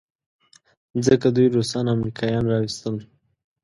ځکه دوی روسان او امریکایان راوستل.